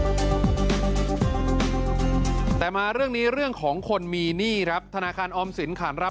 แต่มาเรื่องนี้เรื่องของคนมีหนี้ครับธนาคารออมสินขานรับ